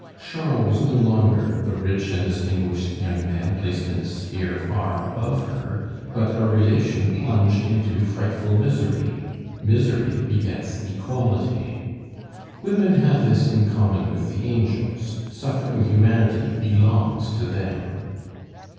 Charles was no longer the rich and distinguished young man placed in a sphere far above her, but a relation plunged into frightful misery. Misery begets equality. Women have this in common with the angels, suffering humanity belongs to them.